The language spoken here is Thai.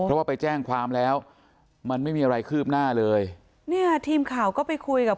เพราะว่าไปแจ้งความแล้วมันไม่มีอะไรคืบหน้าเลยเนี่ยทีมข่าวก็ไปคุยกับ